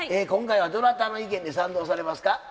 今回はどなたの意見に賛同されますか？